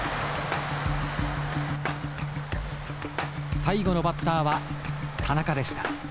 最後のバッターは田中でした。